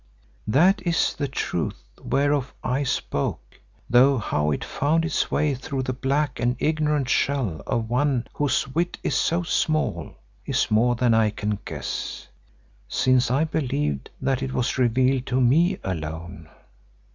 That is the Truth whereof I spoke, though how it found its way through the black and ignorant shell of one whose wit is so small, is more than I can guess, since I believed that it was revealed to me alone."